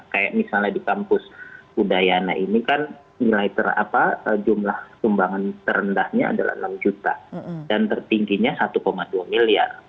kayak misalnya di kampus udayana ini kan jumlah sumbangan terendahnya adalah enam juta dan tertingginya satu dua miliar